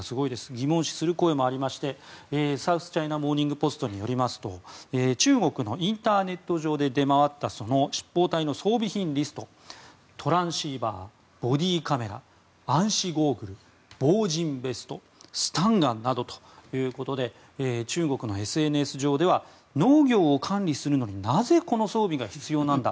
疑問視する声もありましてサウスチャイナ・モーニング・ポストによりますと中国のインターネット上で出回ったその執法隊の装備品リストトランシーバー、ボディーカメラ暗視ゴーグル、防刃ベストスタンガンなどということで中国のＳＮＳ上では農業を管理するのになぜこの装備が必要なんだ？